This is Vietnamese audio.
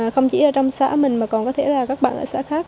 không chỉ ở trong xã mình mà còn có thể là các bạn ở xã khác